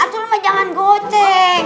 aduh lupa jangan goceng